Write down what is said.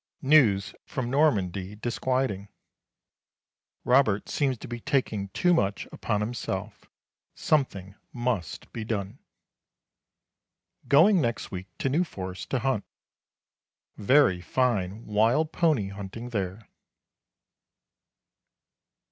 News from Normandy disquieting. Robert seems to be taking too much upon himself. Something must be done. Going next week to New Forest to hunt. Very fine wild pony hunting there.